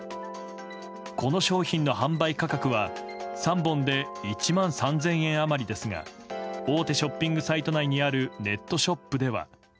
この商品の販売価格は３本で１万３０００円余りですが大手ショッピングサイト内にあるネットショップでは。